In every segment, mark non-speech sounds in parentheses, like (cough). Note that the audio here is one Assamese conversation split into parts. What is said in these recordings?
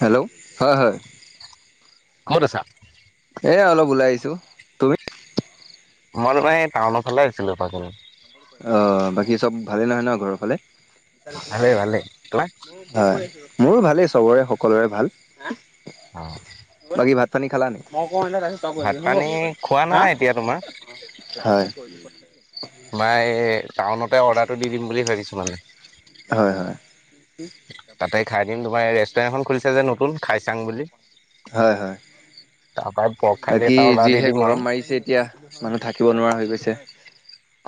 হেল্ল' হয় হয় কত আছা? এ অলপ ওলাই আহিছো। তুমি? মই অলপ সেই টাউনৰ ফালে আছিলো এপাক অঁ বাকী চব ভালেই নহয় ন ঘৰৰ ফালে? ভালেই ভালেই, তোমাৰ? হয়। মোৰো ভালেই চবৰে সকলোৰে ভাল। অ ভাঁত পানী খালা নে? অ ভাত পানী খোৱা নাই এতিয়া তোমাৰ। হয়। মই এই টাউনতে অৰ্ডাৰটো দি দিম বুলি ভাবিছো মানে। হয় হয়। আমাৰ ৰেষ্টুৰেণ্টখন খুলিছে যে নতুন খাইচাং বুলি। হয় হয়। তাৰ পৰাই পৰ্ক থালি বাকী এটা অৰ্ডাৰ দি যিহে দিম আৰু। গৰম বাহিছে এতিয়া মানুহ থাকিব নোৱাৰা হৈ গৈছে।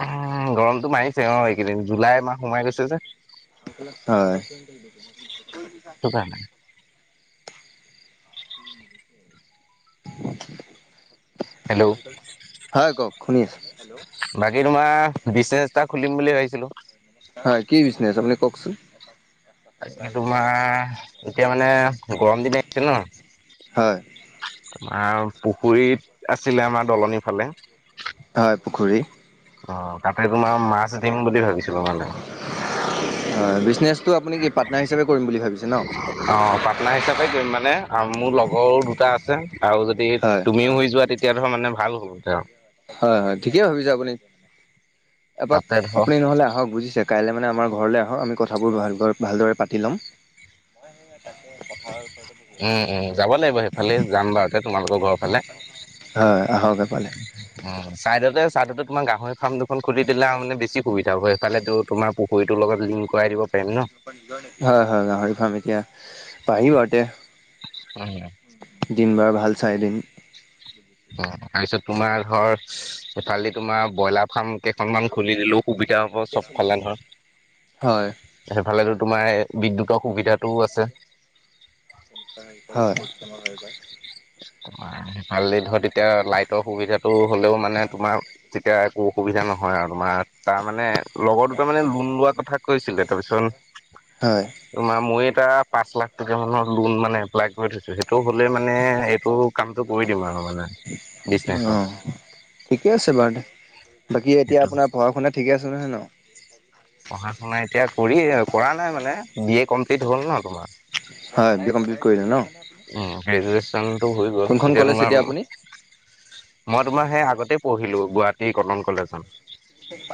উ গৰমতটো মাৰিছে অ এইকেইদিন জুলাই মাহ সোমাই গৈছে যে। হয়। সেইটো কাৰণে। হেল্ল' হয় কওক শুনি আছো। বাকী তোমাৰ বিজনেছ এটা খুলিম বুলি ভাবিছিলো। হয় কি বিজনেছ আপুনি কওকচোন। তোমাৰ এতিয়া মানে গৰম দিন আহিছে ন হয়। তোমাৰ পুখুৰী আছিলে আমাৰ দলনিৰ ফালে হয় পুখুৰী। অ তাতে তোমাৰ মাছ দিম বুলি ভাবিছিলো মানে। হয় বিজনেছটো আপুনি কি পাৰ্টনাৰ হিচাপে কৰিম বুলি ভাবিছে ন। অ পাৰ্টনাৰ হিচাপে কৰিম মানে মোৰ লগৰো দুটা আছে আৰু যদি হয় তুমিও হৈ যোৱা তেতিয়া মানে ভাল হ'ব আৰু। হয় হয় ঠিকেই ভাবিছে আপুনি এপাক তাতে ধৰ আপুনি নহলে আহক বুজিছে কাইলৈ মানে আমাৰ ঘৰলৈ আহক আমি কথাবোৰ ভাল ভালদৰে পাতি ল'ম। উম উম যাব লাগিব সেই ভালেই জাম বা তোমাৰলোকৰ ঘৰ ফালে। হয় আহকে পালে ত ছাৰাদতে তোমাৰ গাহৰি ফাৰ্ম দুখন খুলিিলা মানে বেছি সুবিধা'ব সেইফালেতো তোমাৰ পুখুৰীৰৰ লগত লিংকই দিব। পাৰিম ন নি হয় হয়। গাহৰি ফাৰ্ম এতিয়া বাঢ়ি ব আৰুতি- উম দিন বাৰ ভাল চাইদিনম অ তাৰপিছত তোমাৰ ঘৰ এইফালদি তোমাৰ ব্ৰইলাৰ ফাৰ্ম কেইখনমান খুলি দিলো। সুবিধা হ'ব চবফালে হয় নহয়। সেইফালে যদি তোমাৰ বিদ্যুতৰ সুবিধাটোও আছে। হয়। ভালেই ধৰ এতিয়া লাইটৰ সুবিধাটো হলেও মানে তোমাৰ তেতিয়া অসুবিধা নহয় আৰু তোমাৰ তাৰ মানে- লগৰ দুটাাৰ মানে লোন লোৱা কথা কৈছিলে। তাৰপিছত হয় তোমাৰ মোৰ এটা পাঁচ, লাখ টককা মানৰ লোন মানে এপ্লাই কৰি থৈছো সেইটো হ'লে মানে- ত' কামটো কৰি দিম আৰু মানে অ ঠিকে আছে ডিচেঞ্চত- বাৰু বাকী এতিয়া আপোনাৰ পঢ়া শুনা ঠিকে আছে নহয় ন। পঢ়া শুনা এতিয়া কৰি কৰা নাই মানে বি এ কমপ্লিট হ'ল ন তোমাৰ- হয় বি কমপ্লিট কৰিলে ন, উ গ্ৰজুৱেশনটো হৈ গ'ল কোনখন এতিয়া কলেজ মই আপুনি তোমাৰ সেই আগতে পঢ়িলো গুৱাহাটী কটন কলেজত।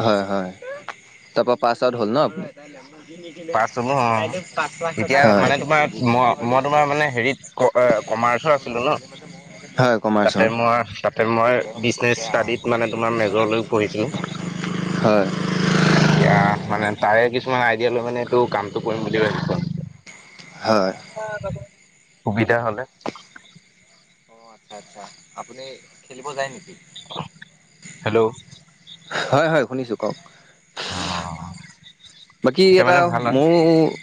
হয় হয়। তাৰপৰা পাছ আউট হ'ল ন আপনি। পাছ অ এতিয়া মানে তোমাৰ মই মই তোমাৰ মানে হেৰিত কমাছৰ আছিলো ন হয় তাতে কমাৰ্চৰ মই তাতে মই বিজনেছ ষ্টাডিত মানে তোমাৰ মেজৰলৈ পঢ়িছিলো। হয়। এতিয়া মানে তাৰে কিছুমান আইডিয়া লৈ মানে তটো কামটো কৰিম বুলি ভাবিছ হয় সুবিধা হ'লে- অ আচ্ছা আচ্ছা। আপুনি খেলিব যায় নেকি? হেল্ল' হয় হয়। শুনিছোঁ কওক অ। বাকী এটা মোৰো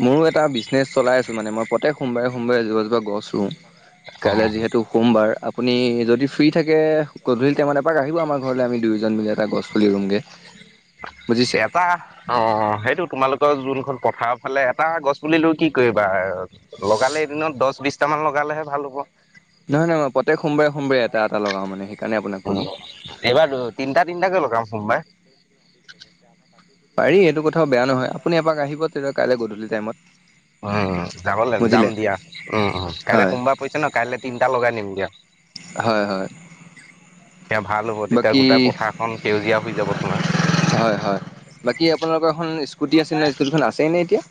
মোৰো এটা বিজনেচ চলাই আছো মানে মই প্ৰতেক। সোমবাৰে সোমবাৰে এোপাজোপা গছ োওঁ অ কাই যিহেতু সোমবাৰ আপুনি যদি ফ্ৰী থাকে গধূলি টাইম এপাক আহিব আমাৰ ঘৰলৈ আমি দুয়োজন মিলি এটা গছ পুলি ৰুমগৈ। এটা অ সেইটো তোমালোক যোনখন পথাৰৰ ফালে এটা গছ পিলৈ কি কৰিবা লগালে এদিনত দহ বিশছটামান লগা- লগালেহে ভাল হ'ব। নহয় নহয় প্ৰতেক সোমবাৰে সোমবাৰে এটা এটা লগাওঁ মানে সেইকাৰণে আপোনাক উ ক'লো। এইবাৰ তিনটা তিনটা গে লগাম সোমবাই। পাৰি এইেইটো কথাও বেয়া নহয় আপুনি এপাক আহিব তেতিয়া কাইলৈ গধূলি টাইমত- উম যাব লাগ যাম বুজিলে। দিয়া উ কাইলে হয় সোমবাৰ পছে ন কাইলৈ তিনটা লগাই নিম দিয়া। হয় হয় সেয়া ভাল হ'ব তেতিয়া বাকী গোটেই পথাৰখন সেউজীয়া হৈ যাব। তোমাৰ হয় হয় বাকী আপোনালোকৰ এখন স্কুটি আছে নয় স্কুটিখন আছেই নে এতিয়া।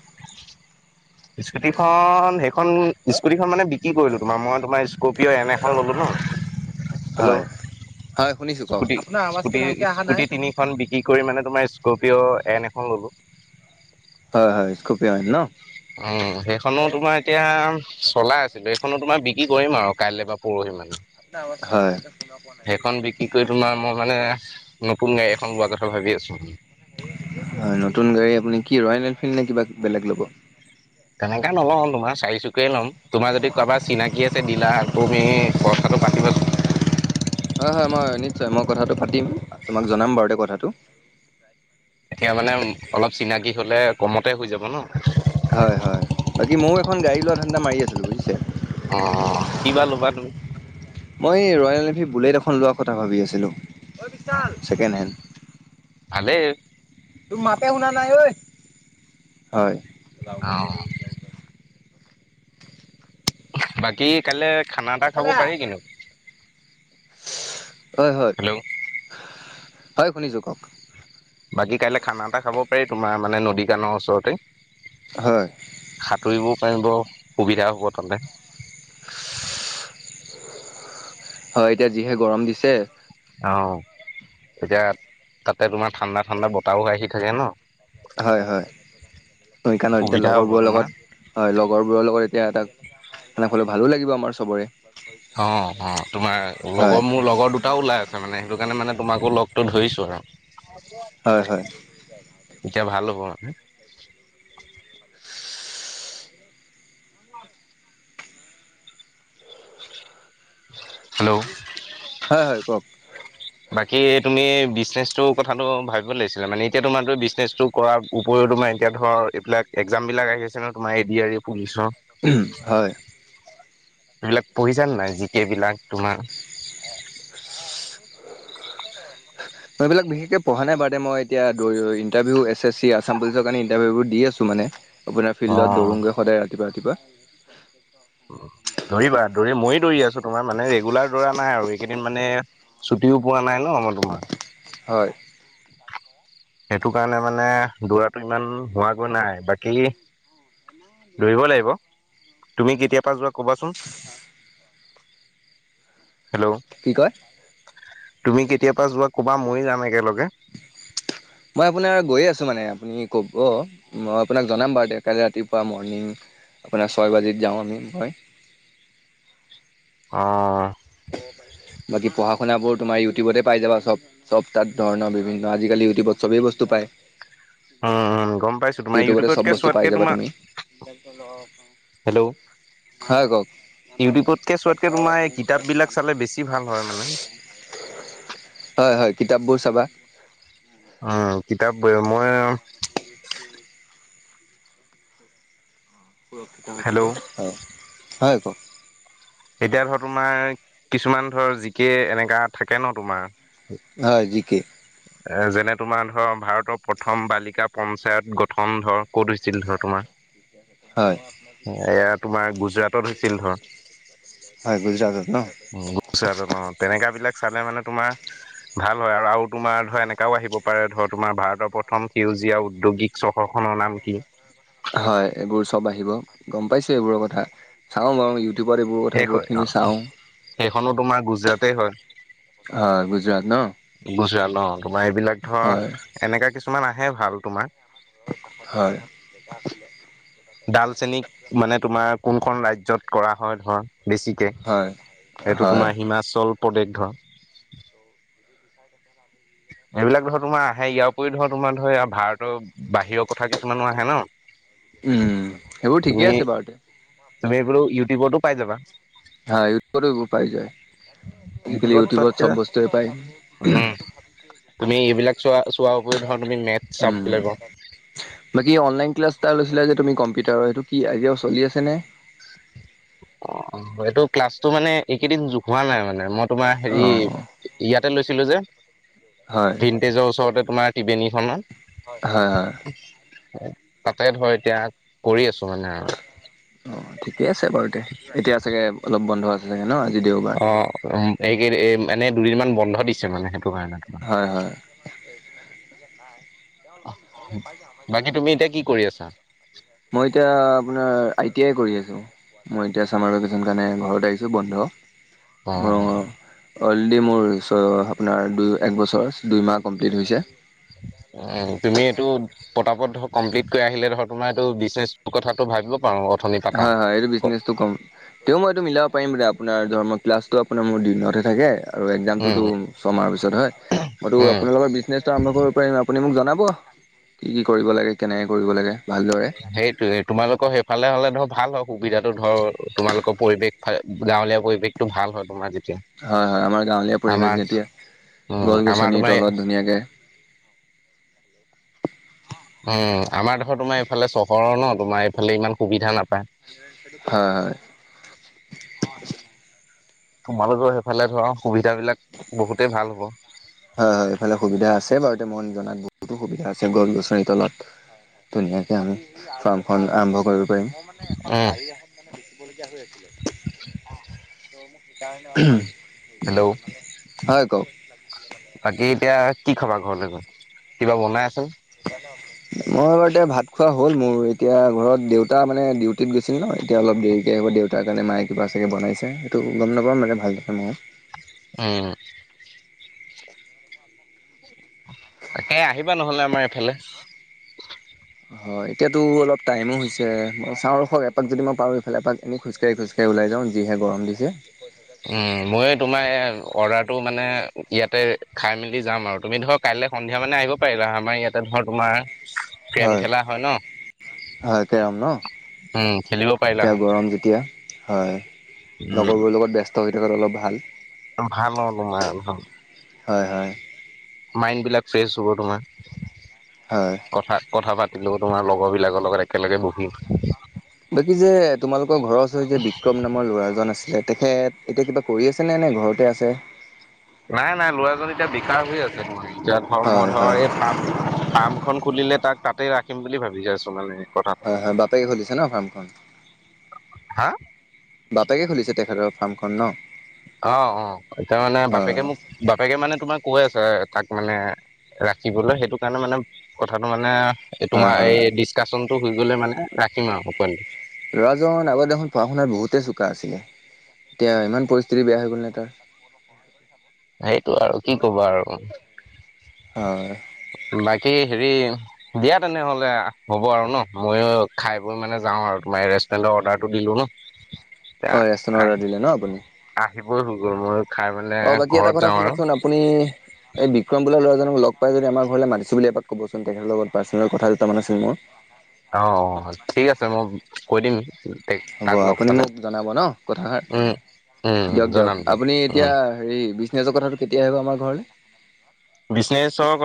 স্কুটি খন সেইখন স্কুটিখন মানে বিক্ৰী কৰিলো তোমাৰ মই তোমাৰ। কপিঅ' এন এখন ল'লোঁ ন হেল্ল'- হয় হয় শুনিছোঁ। কওক স্কুটি স্কুটি স্কুটি তিনিখন বিক্ৰী কৰি মানে তোমাৰ স্কপিঅ' এন এখন ললো। হয় হয় স্কুপিয়ন ন- উম সেইখনো তোমাৰ এতিয়া। চলাই আছিলোঁ এইখনো তোমাৰ বিক্ৰী কৰিম আৰু কাইলৈ বা পৰহি মানে সেইখন বিক্ৰী কৰি তোমাৰ মই মানে- নতুন গাড়ী এখন লোৱাৰ কথা ভাবি আছো হয় নতুন গাড়ী আপুনি- কি ৰয়েল এনফিল্ড নে কিবা বেলেগ ল'ব? এনেকা নলওঁ তোমাৰ চাৰিচুকীয়া- এইটোৱে লম, তোমাৰ যদি কাৰবাৰ চিনাকি আছে দিলা তুমি কথাটো পাতিবাচোন। (unintelligible) হয় হয় মই নিশ্চয় মই কথাটো পাতি তোমাক জনাম বাৰু দে কথাটো। এতিয়া মানে অলপ চিনাকি হ'লে কমতে হৈ যাব ন। হয় হয়, বাকী ময়ও এখন গাড়ী লোৱা ধান্দা মাৰি আছিলো বুজিছে। অঁ কিবা ল'বা তুমি? মই এই ৰয়েল বুলেট এখন লোৱা কথা ভাবি আছিলো অ ছেকেণ্ডহেণ্ড। ভালেই তোৰ মাতে শুনা নাই ঐ, হয়। অ বাকী কাইলৈ খানা এটা খাব পাৰি কিনো। হয় হয়, হেল্ল' হয় শুনিছোঁ কওক। বাকী কাইলৈ খানা এটা খাব পাৰি তোমাৰ মানে নদী কানৰ ওচৰতে। হয় সাঁতুৰিব- তই ব সুবিধা হ'ব তালে। হয় এতিয়া যিহে গৰম দিছে। অ এতিয়া তাতে তোমাৰ ঠাণ্ডা ঠাণ্ডা বতাহও আহি থাকে ন। হয় হয়। সেইকাৰণ এতিয়া সুবিধা হ'ব লগৰবোৰৰ তোমাৰ লগত হয় লগৰবোৰৰ লগত এতিয়া তাক- সকলো ভালো লাগিব আমাৰ চবৰে। অ অ তোমাৰ লগৰ, হয় মোৰ লগৰ দুটাও ওলাই আছে মানে সেইটো কাৰণে মানে- তোমাকো লগটো ধৰিছো ন। হয় হয় এতিয়া ভাল হ'ব। হেল্ল'! হয় হয় কওঁক। বাকী তুমি? বিজনেছটোৰ কথাটো ভাবিব লাগিছিলে মানে এতিয়া তোমাৰটো বিজনেছটো কৰাৰ উপৰিও তোমাৰ এতিয়া ধৰ এইবিলাক- এক্জাম বিলাক আহি আছে ন তোমাৰ এ ডি আৰ ই পুলিচৰ। হয়। এইবিলাক পঢ়িছা নাই জিকে বিলাক তোমাৰ? (unintelligible) মই এইবিলাক বিশেষকে পঢ়া নাই বাদে মই এতিয়া দৌৰি-দৌৰি interview, S S C Assam পুলিচৰ কাৰণে ইন্টাৰভিউ দি আছো মানে। আপোনাৰ অ ফিল্ডত দৌৰোঁগৈ সদায় ৰাতিপুৱা ৰাতিপুৱা। ধৰিবা। দৌৰি মই দৌৰি আছো, তোমাৰ মানে ৰেগুলাৰ দৌৰা নাই আৰু এইকেইদিন মানে ছুটিও পোৱা নাই ন মই তোমাৰ- হয়। সেইটো কাৰণে মানে দৌৰাটো ইমান হোৱাকৈ নাই। বাকী- লৰিব লাগিব। তুমি কেতিয়াৰ পৰাা যোৱা কবাচোন? হেল্ল' কি কয়? তুমি কেতিয়া পৰা যোৱা ক'বা, ময় যাম একেলগে। মই আপোনাৰ গৈয়ে আছো মানে আপুনি কব ম আপোনাক জনাম বাৰু তেতিয়া কাইলে ৰাতিপুৱা মৰ্ণিং। আপোনাৰ ছয় বাজিত যাওঁ আমি মই। আহ। বাকী পঢ়া শুনাবোৰ তোমাৰ ইউটিউবতে পাই যাবা চব -চব তাত ধৰণৰ বিভিন্ন, আজিকালি ইউটিউবত চবেই বস্তু- ডুবাই। উম উম গম পাইছো তোমাৰ ইউটিউবতে ইউটিউবতকে চব বস্তু চোৱাতকে পাই যাবা তোমাৰ তুমি। হেল্ল'! হয় কওঁক। ইউটিউবত কে চোৱাতকে তোমাৰ। কিতাপ বিলাক চালে বেছি ভাল হয় মানে। হয় হয় কিতাপবোৰ চাবা। উম কিতাপ মই। সুৰক্ষিত হৈ থাকে হেল্ল' হয় হয় আ ক এতিয়া ধৰ তোমাৰ কিছুমান ধৰ জিকে এনেকা থাকে ন তোমাৰ হয় জিকে এ যেনে তোমাৰ ধৰ ভাৰতৰ প্ৰথম বালিকা পঞ্চায়ত গঠন ধৰ ক'ত হৈছিল ধৰ তোমাৰ হয়। এয়া তোমাৰ গুজৰাটত হৈছিল ধৰ হয় গুজৰাটত ন গুচ আৰু ন তেনেকা বিলাক। চালে মানে তোমাৰ ভাল হয় আৰু আৰু তোমাৰ ধৰা এনেকাও আহিব পাৰে ধৰ তোমাৰ ভাৰতৰ প্ৰথম সিউজ জীয়া উদ্যোগিক চহৰখনৰ নাম কি? হয় এইবোৰ চব আহিব গম পাইছো এইবোৰৰ কথা চাওঁ আৰু ইউটিউবত এই বুত সেই বহুতখিনি চাওঁ। খনো তোমাৰ গুজৰাট হয়। অ গুজৰাট ন। ন তোমাৰ এইবিলাক হয় ধৰ এনেকা কিছুমান আহে ভাল তোমাৰ হয় ডালচেনী মানে তোমাৰ কোনখন ৰাজ্যত কৰা হয় ধৰা বেছিকৈ হয় এইটো হয় তোমাৰ হিমাচল প্ৰদেশ ধৰা এইবিলাক ধৰ তোমাৰ আহে ইয়াৰ উপৰি ধৰ তোমাৰ ধৰ ভাৰতৰ বাহিৰৰ কথা কিছুমানো আহে ন। উম সেইবোৰ ঠিকেই তুমি আছে বাৰু তে তুমি এইবোৰো ইউটিউবতো পাই যাবা। হা এই উপ উপাই যায়। আজিকালি ইউটিউবত চব বস্তুৱে পায়। উম তুমি এইবিলাক চোৱা চোৱা। উ বাকি অনলাইন ক্লাছ। টা লৈছিলা যে তুমি কম্পিউটাৰ সেইটো কি আজিও চলি আছে নে। অ অ এইটো ক্লাছটো মানে এইকেইদিন হোৱা নাই মানে মই তোমাৰ হেৰি অঁ ইয়াত। লৈছিলো যে হয় ভিনটেজৰ ওচৰতে তোমাৰ টিবেনীখনত। হ হ। তাতে ধৰ এতিয়া কৰি আছো মানে আৰু অঁ ঠিকে আছে বাৰু এতিয়া চাগে অলপ বন্ধ আছে চাগে ন। আজি দেওবাৰ অ এইকেইদ এনে দুদিনমান বন্ধ দিছে মানে। ন। হয় হয় বাকী তুমি এতিয়া কি কৰি আছা। মই এতিয়া আপোনাৰ আই টি আই কৰি আছো। মই এতিয়া চামাৰ ভেকেশ্যন কাৰণে ঘৰত আহিছো বন্ধ। অ। অলৰেডি মোৰপাৰছ আপোনাৰ দুই এক বছৰ দুই মাহ কমপ্লিট হৈছে। উ তুমি এইটো। পতাপত ধৰ কমপ্লিট কৰি আহিলে ধৰ তোমাৰ এইটো বিজনেছ কথাটো ভাবিব। পাৰো অথনি পাতা হয় হয় এইটো বিজনেচটো কম তে মই এইতটো মিলাব পাৰিম। আপোনাৰ ধ ক্লাছটো আপোনাৰ মোৰ দিনতহে থাকে। আৰু এক্জামটোতো উম ছমাহৰ পিছত হয় মইতো উম আপোনালোকৰ বিজনেছটো আৰম্ভ কৰিব পাৰিম আপুনি মোক জনাম। কি কি কৰিব লাগে কেনেকে কৰিব লাগে। ভালদৰে সেইটোয়ে তোমালোকৰ সেইফালে হলে ধৰক। ভাল হয় সুবিধাটো ধৰ তোমালোকৰ পৰিৱেশ গাঁৱলীয়া পৰিৱেশটো ভাল হয় তোমাৰ যয়া। হয় হয় আমাৰ গাঁৱলীয়া পৰিৱেশ যেতিয়া উম গছ আমাৰ গছনিৰ তোমাৰ তলত ধুনীয়াকে। উম আমাৰ দেখ তোমাৰ এইফালে চহৰৰ ন তোমাৰ এইফালে ইমান সুবিধা নাপায়। হয়। তোমালোকো সেইফালে ধৰা। সুবিধাবিলাক বহুতেই ভাল হ'ব হয় হয় এইফালে সুবিধা আছে বাৰু তে মন জনাত। বহুতো সুবিধা আছে গৰু গছন তলত ধুনীয়াকে আমি ফাৰ্মখন আৰম্ভ কৰি। হয় মোৰ মে এখন উম গাড়ী এখন মানে বিবলগীয়া হৈ আছে। হেল্ল' হয় কওক বাকী এতিয়া কি খাবা ঘৰলৈ গৈ কিবা বনাই আছে। মই ববাৰ এতিয়া ভাত খোৱা হ'ল মোৰ এতিয়া ঘৰত দেউতা মানে ডিউটিত গৈছিল ন এতিয়া অলপ। দেৰিকৈ হ'ব দেউতাৰ কাৰণে মায়ে কিবা চাগৈ বনাইছে সেইটো গম নাপাওঁ মে ভাল লাগে ময়। আহ। তে আহিবা নহলে আমাৰ এফালে। হয় এতিয়াতো অলপ টাইমো হৈছে মই চাওঁ ৰ হক এপাক যদি মই পাৰো ইফালে এপাক এনে খোজকাঢ়ি খোজকাঢ়ি। ওলাই যাওঁ যিহে গৰম দিছে। উম মই তোমাৰ। অৰ্ডাৰটো মানে ইয়াতে খাই মেলি যাম আৰু তুমি ধৰক কাইলৈ সন্ধিয়া মানে আহিব পাৰিলা আমাৰ ইয়াতে। তোমাৰ গেম খেলা হয় ন। হয় কেৰম ন উম খেলিব পাৰিলা এতিয়া হয় গৰম যেতিয়া। হয় লগৰবোৰৰ লগত ব্যস্ত হৈ থাকঁ অলপ ভাল। ভাললোমাই হ। হয় হয়। মাইণ্ডবিলাক ফ্ৰেছ হ'ব তোমাৰ হয়। কথা কথা পাত। এই তোমাৰ লগৰবিলাকৰ লগত একেলগে বহি। বাকী যে তোমালোকৰ ঘৰৰ ওচৰ যে বিক্ৰম নামৰ ল'ৰাজন আছিলে। তেখেত এতিয়া কিবা কৰি আছে নে নে ঘৰতে আছে। নাই নাই লৰাজন এতিয়া বিকাৰ হৈ আছে। যোত ধ মই হয় ধৰ হয় এই ফাৰ্ম ফাৰ্ম খন খুলিলে তাক তাতে ৰাখিম বুলি ভাবি আছোঁ মানে। কথাটো হয় হয় বপেকে খুলিছেনে ফাৰ্মখন। হা বাপেকে খুলিছে তেখেতৰ ফাৰ্মখন ন। অ অ এতিয়া মানে অ' বাপেকে মোক বাপেকে মানে তোমাৰ কৈ আছে তাক মানে ৰাখিবলৈ সেইটো কাৰণে মানে কথাটো মানে হয় তোমাৰ এই হয়। ডিচকাশচন। হৈ গ'লে মানে ৰাখিম আৰু উপ। ল'ৰাজন আগতেখন পঢ়া শুনাত বহুতেই চোকা আছিলে। এতিয়া ইমান পৰিস্থিতি বেয়া হৈ গ'ল ন তাৰ। সেইটো আৰু কি কব আৰু হয়। বাকী। হেৰি দিয়া তেনেহলে হ'ব আৰু ন ময়ো খাই বৈ মানে যাওঁ আৰু তোমাৰ ৰেষ্টুৰেণ্টত। অৰ্ডাৰটো দিলো ন অ' ৰেচনৰ আহ অৰ্ডাৰ দিলে ন আপুনি? আহ। মই হৈ গ'ল মই খাই মানে। অ' বাকী এটা কথা শুনকচোন আপুনি এই বিক্ৰম। লৰাজনক লগাই য আমাৰ ঘৰলে মাছো বুলি এপাক কবচোন তেখেতৰ লগত পাৰ্চনেল কথা দুটামান আছিল মানে। অ অ ঠিক আছে মই কৈ দিম। হ'ব তাক লগ আপুনি পালে মোক জনাব ন কথাষাৰ। উম, উম, দিয়ক জনাম দিয়ক আপুনি এতিয়া উম, হেৰি বিজনেচৰ কথাটো কেতিয়া আহিব আমাৰ ঘৰলৈ। বিনেচৰ কথা।